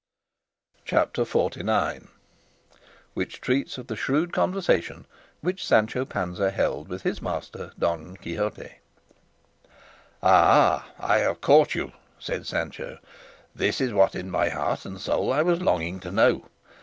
CHAPTER XLIX. WHICH TREATS OF THE SHREWD CONVERSATION WHICH SANCHO PANZA HELD WITH HIS MASTER DON QUIXOTE "Aha, I have caught you," said Sancho; "this is what in my heart and soul I was longing to know.